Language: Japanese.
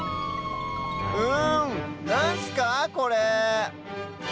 うんなんすかこれ？